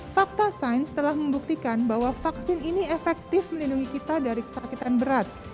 fakta sains telah membuktikan bahwa vaksin ini efektif melindungi kita dari kesakitan berat